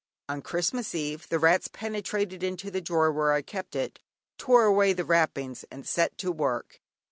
On Christmas Eve the rats penetrated into the drawer where I kept it, tore away the wrappings, and set to work.